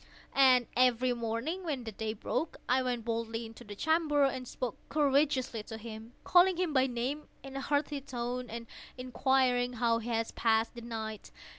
And every morning, when the day broke, I went boldly into the chamber, and spoke courageously to him, calling him by name in a hearty tone, and inquiring how he has passed the night.